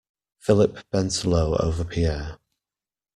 Philip bent low over Pierre.